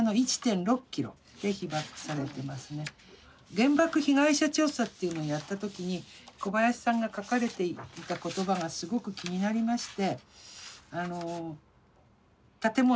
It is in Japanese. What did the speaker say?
原爆被害者調査っていうのをやった時に小林さんが書かれていた言葉がすごく気になりまして。